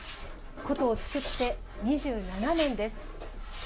箏を作って２７年です。